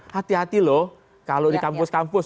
hati hati loh kalau di kampus kampus